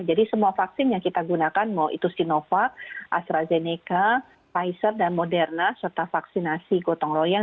jadi semua vaksin yang kita gunakan mau itu sinovac astrazeneca pfizer dan moderna serta vaksinasi gotong royang